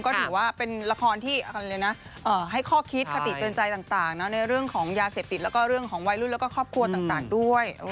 ก็ถือว่าเป็นละครที่ให้ข้อคิดคติเตือนใจต่างในเรื่องของยาเสพติดแล้วก็เรื่องของวัยรุ่นแล้วก็ครอบครัวต่างด้วย